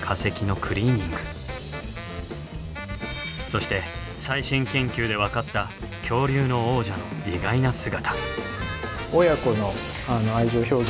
そして最新研究で分かった恐竜の王者の意外な姿。